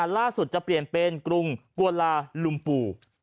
ล่าสุดจะเปลี่ยนเป็นกรุงกวนลาลุมปู่